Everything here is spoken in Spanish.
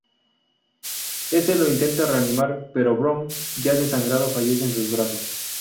Éste lo intenta reanimar, pero Brown ya desangrado fallece en sus brazos.